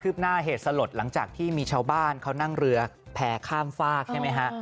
หน้าเหตุสลดหลังจากที่มีชาวบ้านเขานั่งเรือแพร่ข้ามฝากใช่ไหมฮะ